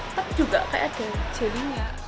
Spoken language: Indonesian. tapi juga kayak ada jelinya